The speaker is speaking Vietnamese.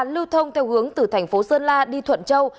lưu thông theo hướng từ tp sơn la đi thuận châu